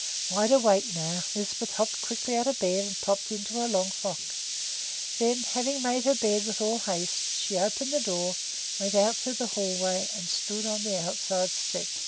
Wide awake now, Lisbeth hopped quickly out of bed and popped into her long frock. Then, having made her bed with all haste, she opened the door, went out through the hall way, and stood on the outside steps.